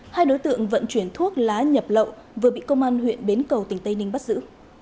hai đối tượng vận chuyển thuốc lá nhập lậu vừa bị công an huyện bến cầu tỉnh tây ninh bắt giữ